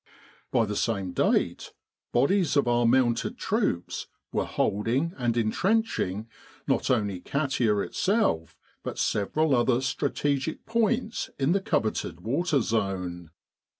By the same date bodies of our mounted troops were holding and entrenching not only Katia itself but several other strategic points in the coveted water zone.